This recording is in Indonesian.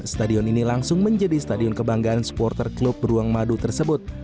stadion ini langsung menjadi stadion kebanggaan supporter klub beruang madu tersebut